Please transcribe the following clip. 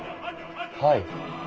はい。